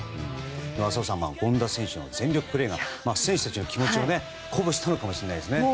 浅尾さん、権田選手の全力プレーが選手たちの気持ちを鼓舞したのかもしれませんね。